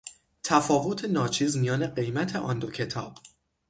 تفاوت ناچیز میان قیمت آن دو کتاب